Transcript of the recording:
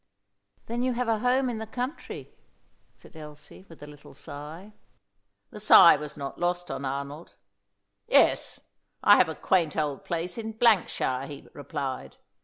"Then you have a home in the country," said Elsie, with a little sigh. The sigh was not lost on Arnold. "Yes, I have a quaint old place in Blankshire," he replied.